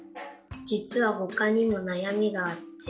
じつはほかにもなやみがあって。